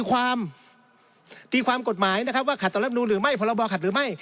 ว่าขัดตรับนูนหรือไม่พรบขัดหรือไม่